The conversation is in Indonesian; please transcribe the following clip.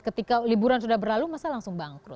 ketika liburan sudah berlalu masa langsung bangkrut